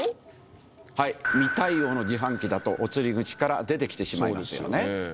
未対応の自販機だとお釣り口から出てきてしまいますよね。